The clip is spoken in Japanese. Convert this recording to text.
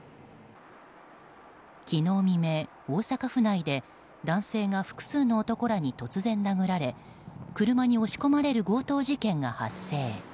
昨日未明、大阪府内で男性が複数の男らに突然殴られ車に押し込まれる強盗事件が発生。